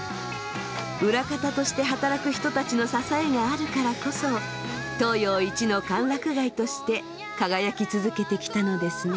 裏方として働く人たちの支えがあるからこそ東洋一の歓楽街として輝き続けてきたのですね。